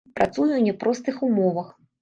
Працуе ў няпростых умовах.